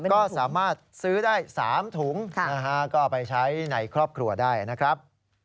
ก็สามารถซื้อได้๓ถุงนะฮะก็เอาไปใช้ในครอบครัวได้นะครับ